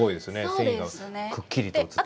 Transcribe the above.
繊維がくっきりと映ってる。